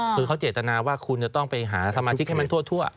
คือเขาเจตนาว่าคุณจะต้องไปหาสมาชิกให้มันทั่ว